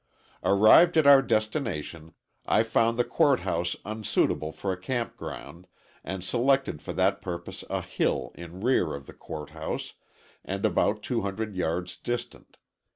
Arrived at our destination, I found the court house unsuitable for a camp ground, and selected for that purpose a hill in rear of the court house, and about 200 yards distant.